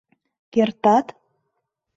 Кертат?